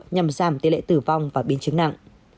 nhằm giảm tỷ lệ tử vong và biến chứng nặng